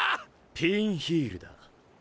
ピンヒールだ。